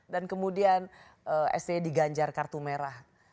dan kemudian sti diganjar kartu merah